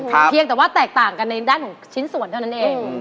เพียงแต่ว่าแตกต่างกันในด้านของชิ้นส่วนเท่านั้นเอง